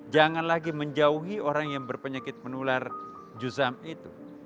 jangan lagi menjauhi orang yang berpenyakit menular juzam itu